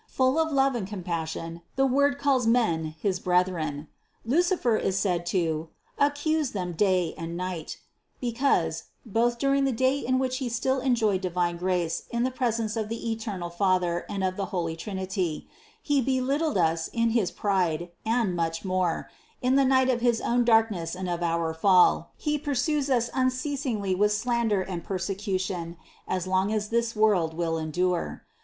Full of love and compassion the Word calls men his brethren. Lucifer is said to "accuse them day and night," because, both during the day in which he still THE CONCEPTION 109 enjoyed divine grace in the presence of the eternal Father and of the holy Trinity, he belittled us in his pride, and much more, in the night of his own darkness and of our fall, he pursues us unceasingly with slander and persecution as long as this world will endure.